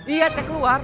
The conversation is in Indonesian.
iya cek keluar